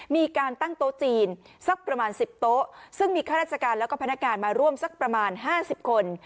มีการตั้งโต๊ะจีนสักประมาณ๑๐โต๊ะซึ่งมีข้าราชการแล้วก็พนักงานมาร่วมสักประมาณ๕๐คน